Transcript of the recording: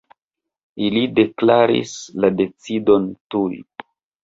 Ili deklaris la decidon tuj.